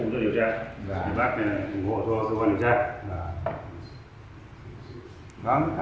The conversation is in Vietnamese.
và cho bác ủng hộ cho thư văn điều tra